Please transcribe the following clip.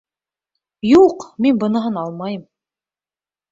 Юҡ, мин быныһын алмайым.